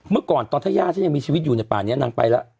เมื่อก่อนตอนถ้าย่าฉันยังมีชีวิตอยู่ในป่านี้นางไปแล้ว